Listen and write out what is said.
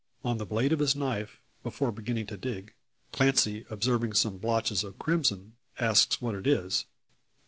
On the blade of his knife, before beginning to dig, Clancy observing some blotches of crimson, asks what it is.